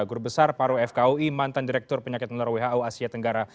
guru besar paru fkui mantan direktur penyakit menular who asia tenggara